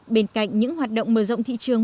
bên cạnh những hoạt động mở rộng thị trường